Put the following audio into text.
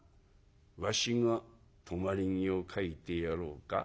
「わしが止まり木を描いてやろうか？」。